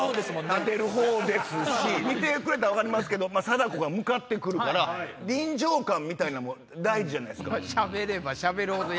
見てくれたら分かりますけどサダコが向かって来るから臨場感みたいなんも大事じゃないですか。